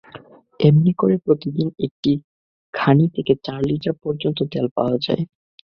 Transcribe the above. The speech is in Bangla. এমনি করে প্রতিদিন একটি ঘানি থেকে চার লিটার পর্যন্তু তেল পাওয়া যায়।